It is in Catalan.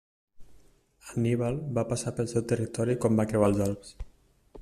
Anníbal va passar pel seu territori quan va creuar els Alps.